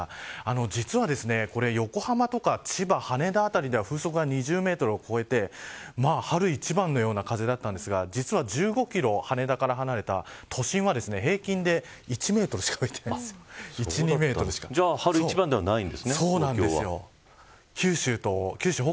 実は横浜とか千葉羽田辺りでは風速が２０メートルを超えて春一番のような風だったんですが実は羽田から１５キロ離れた都心は平均で１メートルしか吹いてないです。